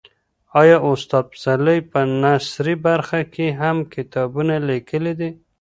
آیا استاد پسرلی په نثري برخه کې هم کتابونه لیکلي دي؟